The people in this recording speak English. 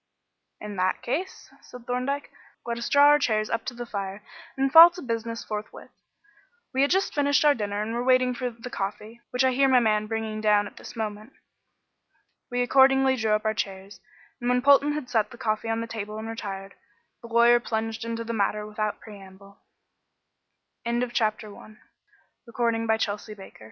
"In that case," said Thorndyke, "let us draw our chairs up to the fire and fall to business forthwith. We had just finished our dinner and were waiting for the coffee, which I hear my man bringing down at this moment." We accordingly drew up our chairs, and when Polton had set the coffee on the table and retired, the lawyer plunged into the matter without preamble. CHAPTER II THE SUSPECT "I had better," said he, "give you a general